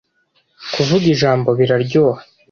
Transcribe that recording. kuvuga ijambo bi raryoha